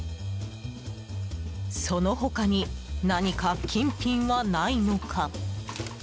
その他に何か金品はないのか。